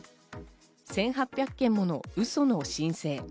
１８００件ものウソの申請。